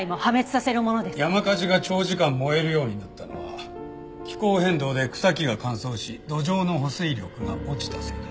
山火事が長時間燃えるようになったのは気候変動で草木が乾燥し土壌の保水力が落ちたせいだ。